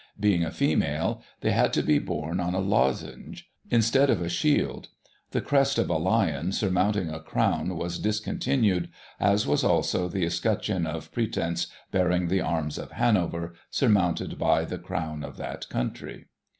Being a female, they had to be borne on a lozenge, instead of a shield ; the crest of a lion surmounting a crown was discontinued, as was also the escutcheon of pretence bearing the arms of Hanover, surmounted by the crown of that country.